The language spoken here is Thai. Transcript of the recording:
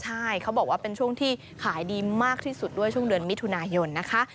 ใช่เขาบอกว่าเป็นช่วงที่ขายดีมากที่สุดด้วยช่วงเดือนมิถุนายนนะคะ